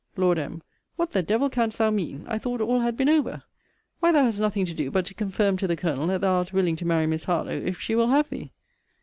Lord M. What the devil canst thou mean? I thought all had been over. Why thou hast nothing to do but to confirm to the Colonel that thou art willing to marry Miss Harlowe, if she will have thee.